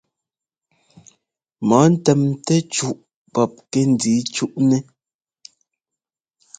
Mɔ ntɛmtɛ́ cúʼ pɔp kɛ́ndíi cúʼnɛ́.